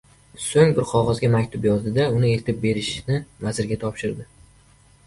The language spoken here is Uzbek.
Soʻng bir qogʻozga maktub yozdi-da, uni eltib berishni vazirga topshirdi.